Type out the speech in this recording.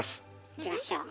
いきましょう。